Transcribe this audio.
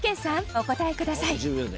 お答えください！